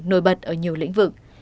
nổi bật ở nhiều lĩnh vực